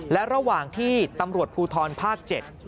และระหว่างที่ตำรวจภูทรภาค๗